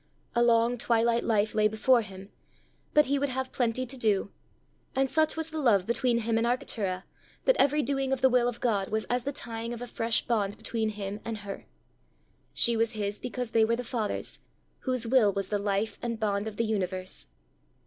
A long twilight life lay before him, but he would have plenty to do! and such was the love between him and Arctura, that every doing of the will of God was as the tying of a fresh bond between him and her: she was his because they were the Father's, whose will was the life and bond of the universe.